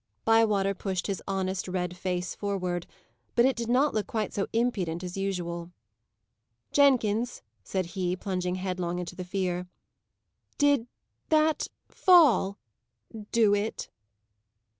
Bywater pushed his honest, red face, forward; but it did not look quite so impudent as usual. "Jenkins," said he, plunging headlong into the fear, "DID THAT FALL DO IT?"